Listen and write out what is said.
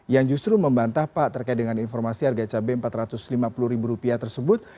yang justru membantah pak terkait dengan informasi harga cabai rp empat ratus lima puluh tersebut